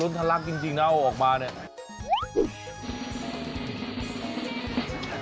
นี่มันร้านกลุกจริงเอาออกมาเนี่ย